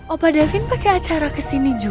opa davin pakai acara kesini juga